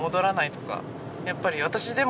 やっぱり私でも。